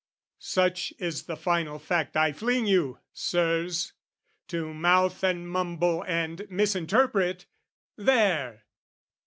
Such is the final fact I fling you, Sirs, To mouth and mumble and misinterpret: there!